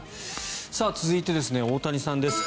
続いては大谷さんです。